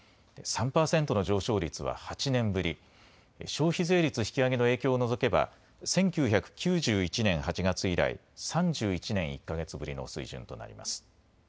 ３％の上昇率は８年ぶり、消費税率引き上げの影響を除けば１９９１年８月以来、３１年１か月ぶりの水準となります。